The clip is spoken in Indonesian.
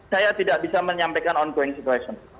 saya tidak bisa menyampaikan on going situation